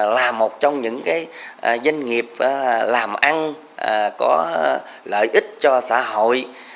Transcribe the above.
là một trong những doanh nghiệp làm ăn có lợi ích cho xã hội